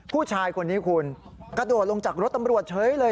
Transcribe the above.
ผู้ชายคนนี้คุณกระโดดลงจากรถตำรวจเฉยเลย